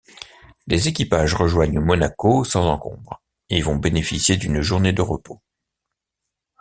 Les équipages rejoignent Monaco sans encombre et vont bénéficier d'une journée de repos.